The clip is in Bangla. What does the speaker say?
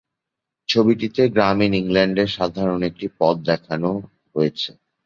ছবিটিতে গ্রামীণ ইংল্যান্ডের সাধারণ একটি পথ দেখানো হয়েছে।